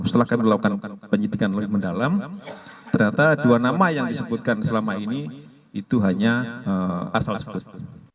setelah kami lakukan penyidikan lebih mendalam ternyata dua nama yang disebutkan selama ini itu hanya asal sebut